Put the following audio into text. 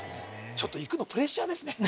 ちょっと行くのプレッシャーですね